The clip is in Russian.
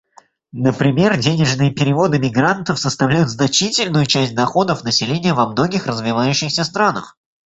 Например, денежные переводы мигрантов составляют значительную часть доходов населения во многих развивающихся странах.